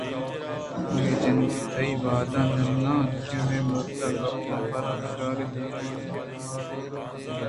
آئیءِ جند تنی وہدءَنہ زانت کہ ہمے مرد ءِ گپاں بارت ءُکاریت آراستی ءَکلام اِنت یاکہ دگرے